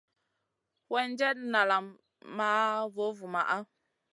Weerdjenda nalam maʼa vovuma.